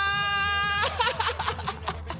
ハハハハ！